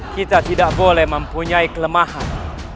kita tidak boleh mempunyai kelemahan